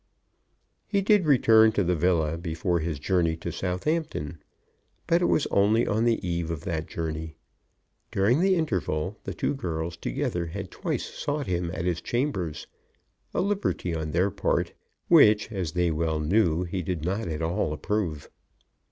He did return to the villa before his journey to Southampton, but it was only on the eve of that journey. During the interval the two girls together had twice sought him at his chambers, a liberty on their part which, as they well knew, he did not at all approve.